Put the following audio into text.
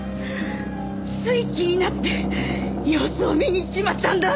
つい気になって様子を見に行っちまったんだ。